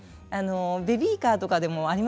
ベビーカーとかでもありますよね